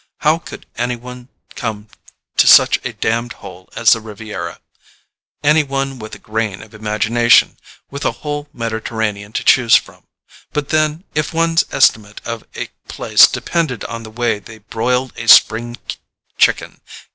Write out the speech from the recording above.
How any one could come to such a damned hole as the Riviera—any one with a grain of imagination—with the whole Mediterranean to choose from: but then, if one's estimate of a place depended on the way they broiled a spring chicken!